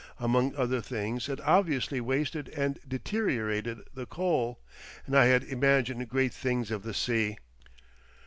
Among other things it obviously wasted and deteriorated the coal.... And I had imagined great things of the sea!